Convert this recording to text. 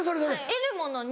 得るもの